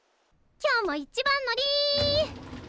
今日も一番乗り！